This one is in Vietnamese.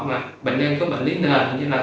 mà bệnh nhân có bệnh lý nền như là